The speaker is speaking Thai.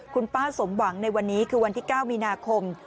คุณป้าสมหวังในวันนี้คือวันที่๙มีนาคม